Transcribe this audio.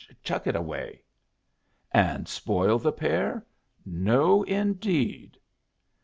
Chuck it away." "And spoil the pair? No, indeed!"